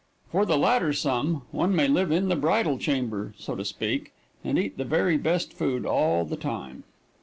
For the latter sum one may live in the bridal chamber, so to speak, and eat the very best food all the time.